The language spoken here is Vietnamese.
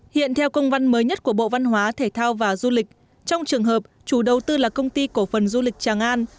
hiện theo công văn mới nhất của bộ văn hóa thể thao và du lịch trong trường hợp chủ đầu tư là công ty cổ phần du lịch tràng an